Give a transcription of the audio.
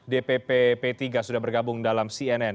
dpp p tiga sudah bergabung dalam cnn